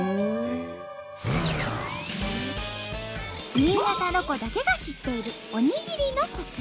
新潟ロコだけが知っているおにぎりのコツ。